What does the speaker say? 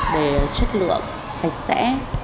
để chất lượng sạch sẽ